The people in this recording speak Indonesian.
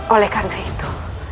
oleh karena itu